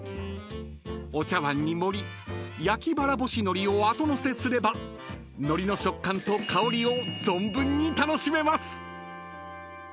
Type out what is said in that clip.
［お茶わんに盛り焼ばらぼし海苔を後載せすればのりの食感と香りを存分に楽しめます］